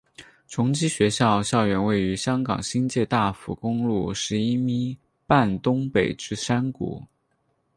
崇基学院校园位于香港新界大埔公路十一咪半东北之山谷。